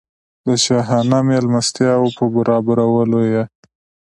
د شاهانه مېلمستیا په برابرولو یې.